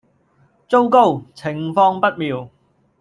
糟糕！情況不妙